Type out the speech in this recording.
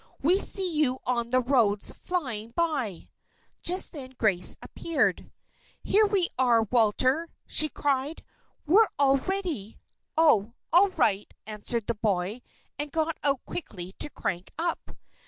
"We see you on the roads, flying by." Just then Grace appeared. "Here we are, Walter!" she cried. "We're all ready." "Oh! all right," answered the boy, and got out quickly to crank up.